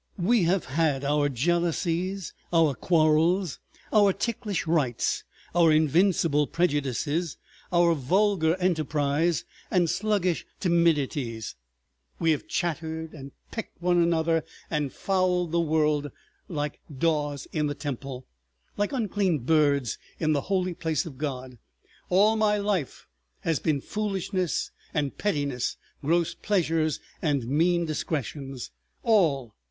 We have had our jealousies, our quarrels, our ticklish rights, our invincible prejudices, our vulgar enterprise and sluggish timidities, we have chattered and pecked one another and fouled the world—like daws in the temple, like unclean birds in the holy place of God. All my life has been foolishness and pettiness, gross pleasures and mean discretions—all.